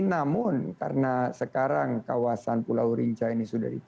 namun karena sekarang kawasan pulau rinca ini sudah ditutup